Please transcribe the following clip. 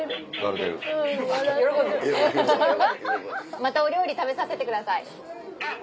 またお料理食べさせてください。